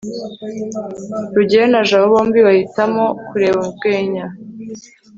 rugeyo na jabo bombi bahitamo kureba urwenya